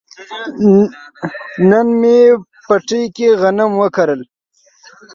نن مې په پټي کې غنم وکرل.